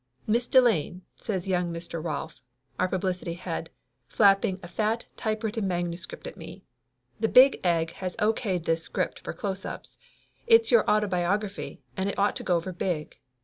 "Miss Delane," says young Mr. Rolf, our publicity head, flapping a fat typewritten manuscript at me. "The Big Egg has O.K.'d this script for Closeups. It's your autobiography and it ought to go over big.